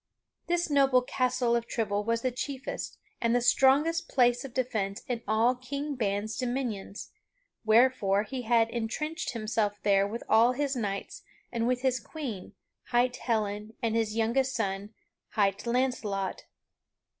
This noble Castle of Trible was the chiefest and the strongest place of defence in all King Ban's dominions, wherefore he had intrenched himself there with all of his knights and with his Queen, hight Helen, and his youngest son, hight Launcelot.